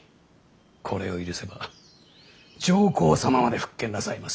これを許せば上皇様まで復権なさいます。